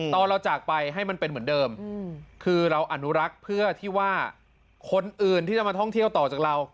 ตอนเราจากไปให้มันเป็นเหมือนเดิมคือเราอนุรักษ์เพื่อที่ว่าคนอื่นที่จะมาท่องเที่ยวต่อจากเรา